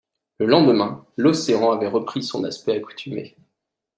Le lendemain, l’Océan avait repris son aspect accoutumé.